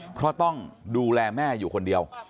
เพราะต้องดูแลแม่อยู่คนเดียว